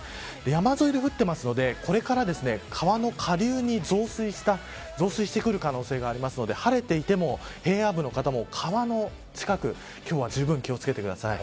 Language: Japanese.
山沿いで降っていますのでこれから川の下流に増水してくる可能性がありますので晴れていても、平野部の方も川の近く、今日はじゅうぶん気を付けてください。